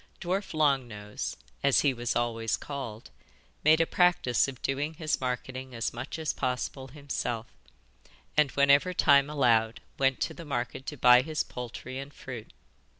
Dwarf Long Nose as he was always called made a practice of doing his marketing as much as possible himself, and whenever time allowed went to the market to buy his poultry and fruit.